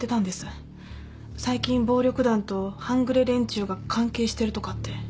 最近暴力団と半グレ連中が関係してるとかって。